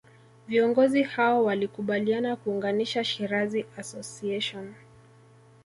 Viongozi hao walikubaliana kuunganisha Shirazi Association